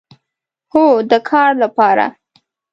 هو، د کار لپاره